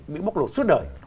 bị bóc lột suốt đời